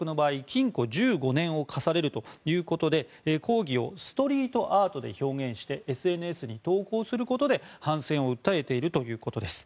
禁錮１５年を科されるということで抗議をストリートアートで表現してＳＮＳに投稿することで反戦を訴えているということです。